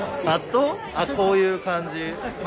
あこういう感じ？